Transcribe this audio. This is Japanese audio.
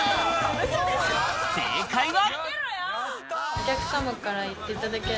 正解は。